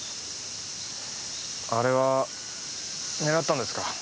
あれは狙ったんですか？